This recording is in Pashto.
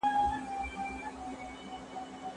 سینوهه خپلي تجربې د نن لپاره لیکلي دي.